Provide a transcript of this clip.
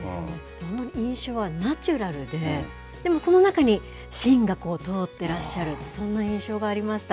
印象はナチュラルででもその中に芯が通っていらっしゃるそんな印象がありました。